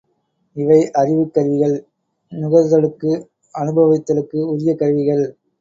இவை அறிவுக் கருவிகள் நுகர்தலுக்கு அனுபவித்தலுக்கு உரிய கருவிகள்.